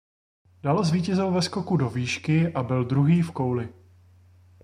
Dále zvítězil ve skoku do výšky a byl druhý v kouli.